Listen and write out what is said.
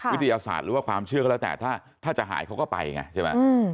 วิทยาศาสตร์หรือว่าความเชื่อก็แล้วแต่ถ้าจะหายเขาก็ไปไงใช่ไหม